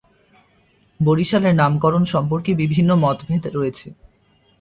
বরিশালের নামকরণ সম্পর্কে বিভিন্ন মতভেদ রয়েছে।